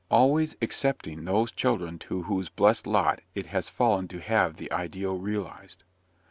Always excepting those children to whose blessed lot it has fallen to have the ideal realized.